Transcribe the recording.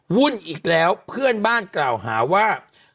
วุ่นอีกแล้วเพื่อนบ้านกล่าวหาว่า